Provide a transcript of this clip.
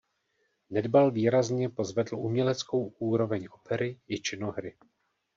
Nedbal výrazně pozvedl uměleckou úroveň opery i činohry.